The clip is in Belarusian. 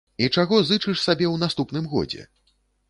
І чаго зычыш сабе ў наступным годзе?